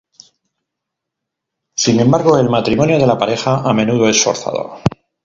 Sin embargo, el matrimonio de la pareja a menudo es forzado.